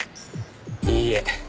いいえ。